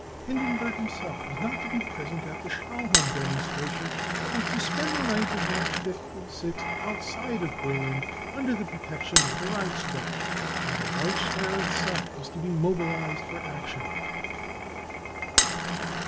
Hindenburg himself was not to be present at the Stahlhelm demonstration, but was to spend the night of March 5th 6th outside of Berlin under the protection of the Reichswehr, and the Reichs wehr itself was to be mobilised for action."